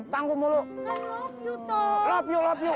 tangguh mulu tangguh mulu